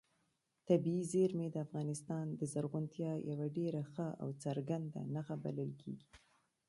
طبیعي زیرمې د افغانستان د زرغونتیا یوه ډېره ښه او څرګنده نښه بلل کېږي.